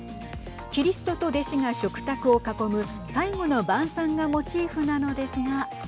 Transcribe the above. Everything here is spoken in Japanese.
キリストと弟子が食卓を囲む最後の晩さんがモチーフなのですが。